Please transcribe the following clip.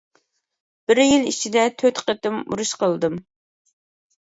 بىر يىل ئىچىدە تۆت قېتىم ئۇرۇش قىلدىم.